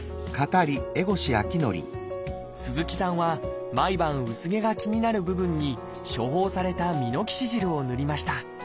鈴木さんは毎晩薄毛が気になる部分に処方されたミノキシジルを塗りました。